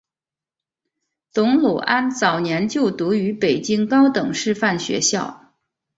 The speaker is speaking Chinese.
董鲁安早年就读于北京高等师范学校。